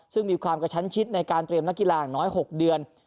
ซึ่งมีความกระชั้นชิดในการเตรียมนักกีฬาอย่างน้อย๖เดือน